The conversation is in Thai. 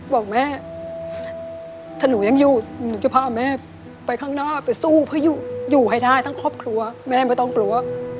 บอกแม่ถ้าหนูยังอยู่หนูจะพาแม่ไปข้างหน้าไปสู้เพื่ออยู่ให้ได้ทั้งครอบครัวแม่ไม่ต้องกลัว